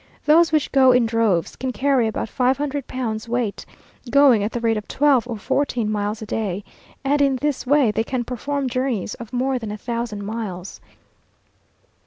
Those which go in droves, can carry about five hundred pounds weight, going at the rate of twelve or fourteen miles a day, and in this way they can perform journeys of more than a thousand miles.